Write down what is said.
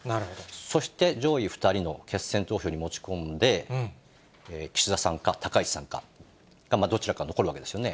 そして上位２人の決選投票に持ち込んで、岸田さんか高市さんか、どちらかが残るわけですよね。